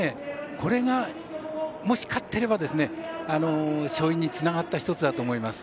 これが、もし勝っていれば勝因につながった一つだと思います。